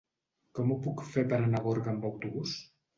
Com ho puc fer per anar a Gorga amb autobús?